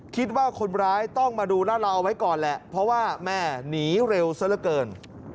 คิดว่าคนร้ายต้องมาดูรัดราวเอาไว้ก่อนแหละเพราะว่าแม่หนีเร็วซะละเกิน